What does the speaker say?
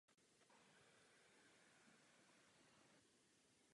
Ryba se vyskytuje ve sladkých vodách na Kubě.